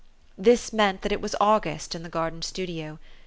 This meant that it was August in the garden studio.